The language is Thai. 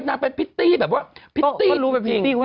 น่าเป็นพิตตี้แบบว่า